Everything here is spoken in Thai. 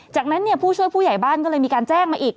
จากนั้นผู้ช่วยผู้ใหญ่บ้านก็เลยมีการแจ้งมาอีก